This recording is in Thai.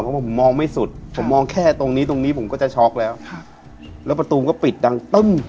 เพราะว่าผมมองไม่สุดผมมองแค่ตรงนี้ตรงนี้ผมก็จะช็อกแล้วแล้วประตูมันก็ปิดดังตึ้ม